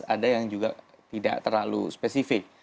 ada yang juga tidak terlalu spesifik